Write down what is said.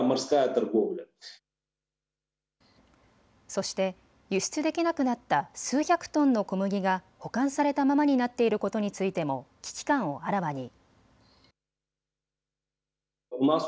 そして輸出できなくなった数百トンの小麦が保管されたままになっていることについても危機感をあらわに。